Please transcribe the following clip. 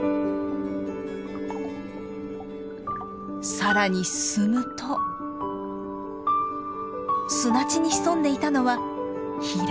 さらに進むと砂地に潜んでいたのはヒラメ。